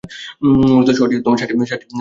মূলত, শহরটি সাতটি পাহাড়ের উপর নির্মিত হয়েছে।